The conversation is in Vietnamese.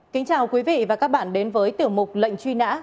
kính chào quý vị và các bạn đến với tiếng học